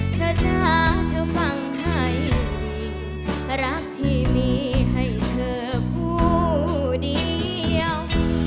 เธอจ้าเธอฟังให้รักที่มีให้เธอผู้เดียว